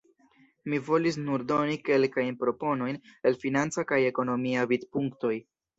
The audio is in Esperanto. Mi volis nur doni kelkajn proponojn el financa kaj ekonomia vidpunktoj.